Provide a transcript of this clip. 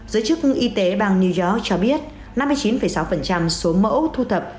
giới chức y tế bang new york cho biết năm mươi chín sáu số mẫu thu thập